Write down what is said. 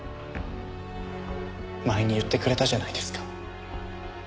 前に言ってくれたじゃないですか。